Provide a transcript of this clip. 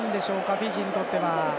フィジーにとっては。